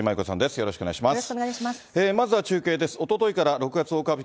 よろしくお願いします。